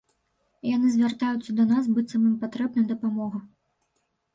Яны звяртаюцца да нас, быццам ім патрэбная дапамога.